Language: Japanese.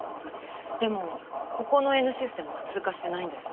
でもここのＮシステムは通過してないんです。